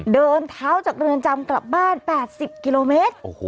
เดินเท้าจากเรือนจำกลับบ้าน๘๐กิโลเมตร